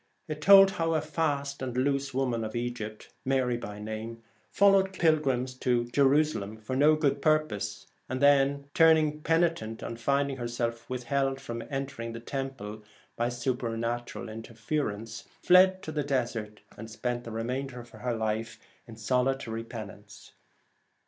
It told how a fast woman of Egypt, Mary by name, followed pilgrims to Jerusalem for no good purpose, and then, turning 82 penitent on finding herself withheld from Th e Last Gleeman. entering the Temple by supernatural inter ference, fled to the desert and spent the remainder of her life in solitary penance.